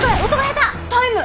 タイム！